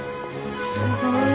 すごい。